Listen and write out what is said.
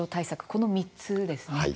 この３つですね。